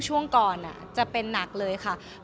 ช่วงก่อนจะเป็นหนักเลยค่ะ